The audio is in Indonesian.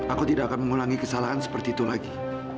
aku tidak akan mengulangi kesalahan seperti itu lagi